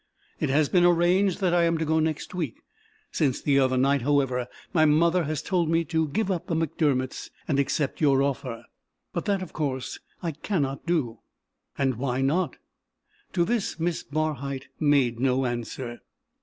It has been arranged that I am to go next week. Since the other night, however, my mother has told me to give up the MacDermotts and accept your offer. But that, of course, I cannot do." "And why not?" To this Miss Barhyte made no answer.